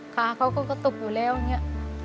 ขาเขาก็กระตุกอยู่แล้วอย่างนี้